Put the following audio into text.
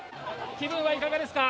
気分はいかがですか？